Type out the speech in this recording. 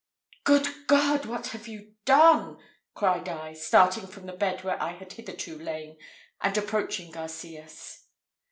"Good God! what have you done?" cried I, starting from the bed where I had hitherto lain, and approaching Garcias.